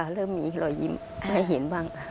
เริ่มมีรอยยิ้มให้เห็นบ้าง